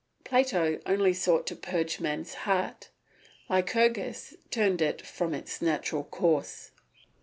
Plato only sought to purge man's heart; Lycurgus turned it from its natural course.